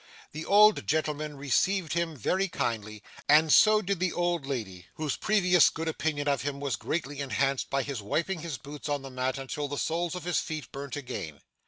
The old gentleman received him very kindly and so did the old lady, whose previous good opinion of him was greatly enhanced by his wiping his boots on the mat until the soles of his feet burnt again.